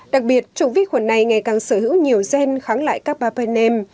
đặc biệt trùng vi khuẩn này ngày càng sở hữu nhiều gen kháng lại các bà bà nem